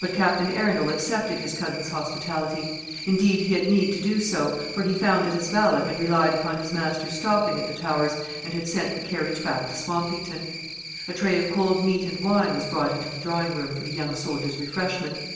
But Captain Arundel accepted his cousin's hospitality. Indeed he had need to do so; for he found that his valet had relied upon his master's stopping at the Towers, and had sent the carriage back to Swampington. A tray with cold meat and wine was brought into the drawing room for the young soldier's refreshment.